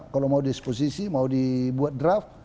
kalau mau disposisi mau dibuat draft